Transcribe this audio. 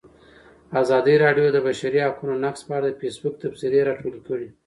ازادي راډیو د د بشري حقونو نقض په اړه د فیسبوک تبصرې راټولې کړي.